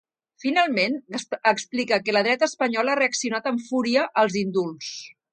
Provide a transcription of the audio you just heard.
Finalment, explica que la dreta espanyola ha reaccionat amb fúria als indults.